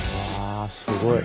あすごい。